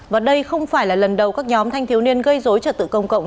và đây không phải là lần đầu các nhóm thanh thiếu niên gây dối trật tự công cộng